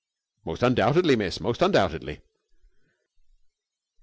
"Most undoubtedly, miss. Most undoubtedly!"